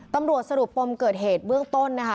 ตำรวจสรุปปมเกิดเหตุเบื้องต้นนะคะ